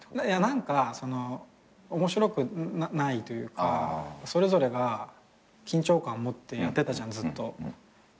いや何か面白くないというかそれぞれが緊張感持ってやってたじゃんずっと。